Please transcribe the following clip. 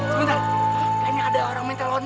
sebentar kayaknya ada orang yang terlontong